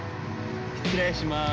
失礼します。